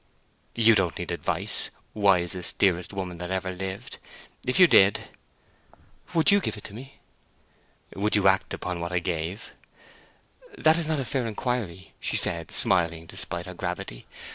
"You don't need advice, wisest, dearest woman that ever lived. If you did—" "Would you give it to me?" "Would you act upon what I gave?" "That's not a fair inquiry," said she, smiling despite her gravity.